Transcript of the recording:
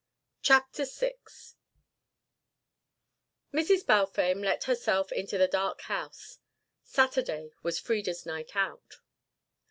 CHAPTER VI Mrs. Balfame let herself into the dark house. Saturday was Frieda's night out.